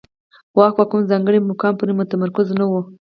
واک په کوم ځانګړي مقام پورې متمرکز نه و.